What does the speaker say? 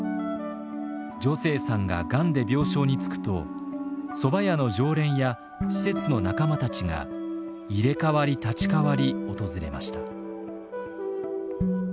助成さんがガンで病床につくとそば屋の常連や施設の仲間たちが入れ代わり立ち代わり訪れました。